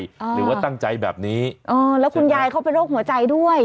หรือว่าตั้งใจแบบนี้อ๋อแล้วคุณยายเขาเป็นโรคหัวใจด้วย